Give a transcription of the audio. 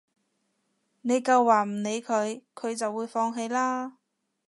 你夠話唔理佢，佢就會放棄啦